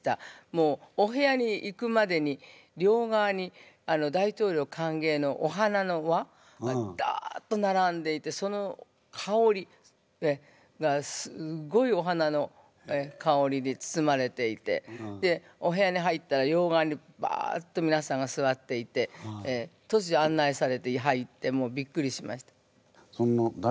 もうお部屋に行くまでに両側に大統領かんげいのお花の輪がダッとならんでいてそのかおりがすっごいお花のかおりに包まれていてでお部屋に入ったら両側にバッとみなさんがすわっていてとつじょ案内されて入ってもうびっくりしました。